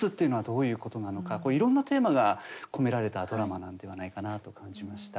こういろんなテーマが込められたドラマなんではないかなと感じました。